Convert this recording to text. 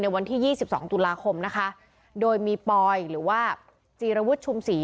ในวันที่ยี่สิบสองตุลาคมนะคะโดยมีปอยหรือว่าจีรวรรดิชุมศรี